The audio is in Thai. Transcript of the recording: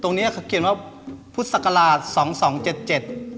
ตรงนี้เขาเขียนว่าพุทธศักราช๒๒๗๗